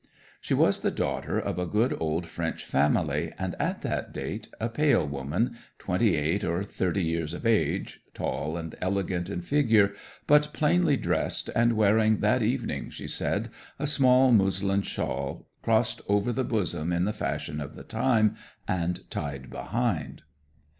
She was the daughter of a good old French family, and at that date a pale woman, twenty eight or thirty years of age, tall and elegant in figure, but plainly dressed and wearing that evening (she said) a small muslin shawl crossed over the bosom in the fashion of the time, and tied behind.